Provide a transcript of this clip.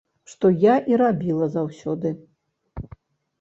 Што я і рабіла заўсёды.